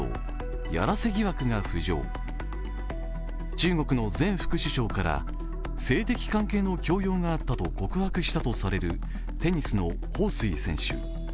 中国の前副首相から性的関係の強要があったと告白したとされるテニスの彭帥選手。